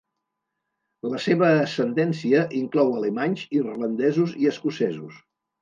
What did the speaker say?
La seva ascendència inclou alemanys, irlandesos i escocesos.